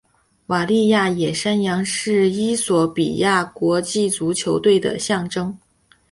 瓦利亚野山羊是衣索比亚国家足球队的象征。